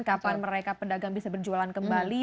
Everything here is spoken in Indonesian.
kapan mereka pedagang bisa berjualan kembali